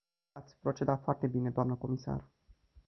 Ați procedat foarte bine, dnă comisar.